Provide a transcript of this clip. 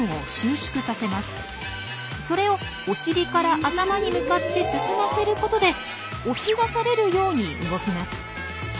それをお尻から頭に向かって進ませることで押し出されるように動きます。